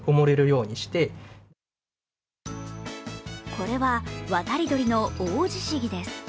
これは渡り鳥のオオジシギです。